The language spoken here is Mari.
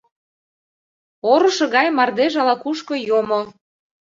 Орышо гай мардеж ала-кушко йомо.